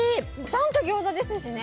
ちゃんと餃子ですしね。